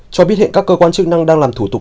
cho biết hiện các cơ quan chức năng đang làm thủ tục